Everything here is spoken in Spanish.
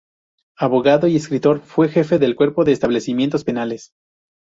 Abogado y escritor, fue jefe del Cuerpo de Establecimientos Penales.